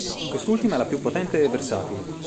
Quest'ultima è la più potente e versatile.